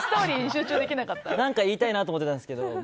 何か言いたいなと思っていたんですけど。